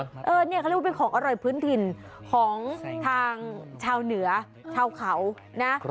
เขาเรียกว่าเป็นของอร่อยพื้นถิ่นของทางชาวเหนือชาวเขานะ